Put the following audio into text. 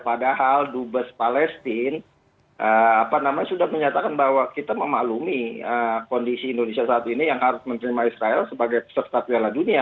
padahal dubes palestina sudah menyatakan bahwa kita memaklumi kondisi indonesia saat ini yang harus menerima israel sebagai peserta piala dunia